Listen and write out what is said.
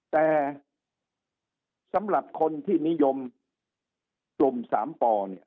แต่สำหรับคนที่นิยมลุม๓ปอ